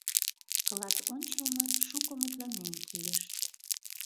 Кылат ончылно шуко мутланен кийышт.